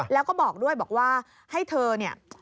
แล้วก็บอกด้วยบอกว่าให้เธอเนี่ย